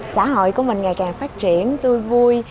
xã hội của mình ngày càng phát triển tươi vui